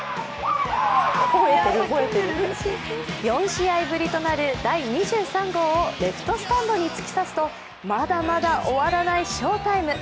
４試合ぶりとなる第２３号をレフトスタンドに突き刺すとまだまだ終わらない翔タイム。